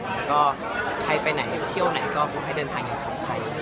แล้วก็ใครไปไหนเที่ยวไหนก็ขอให้เดินทางอย่างปลอดภัย